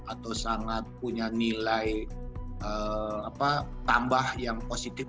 atau sangat punya nilai tambah yang positif